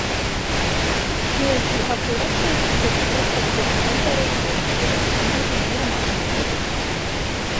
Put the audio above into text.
பிறகு அவ்விடத்தை விட்டு புறப்பட்டுக் கைபரை நெருங்கியதும், இரவு நேரமாகிவிட்டது.